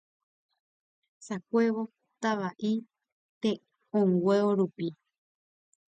ohasakuévo Tava'i te'õngueo rupi